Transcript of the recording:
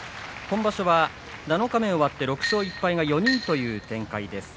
今場所は七日目を終わって６勝１敗が４人という展開です。